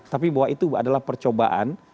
tapi bahwa itu adalah percobaan